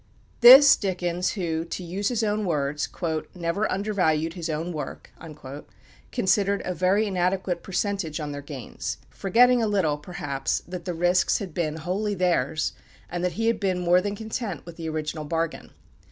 This Dickens, who, to use his own words, "never undervalued his own work," considered a very inadequate percentage on their gains forgetting a little, perhaps, that the risks had been wholly theirs, and that he had been more than content with the original bargain.